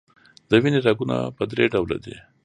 د وینې رګونه په دری ډوله دي.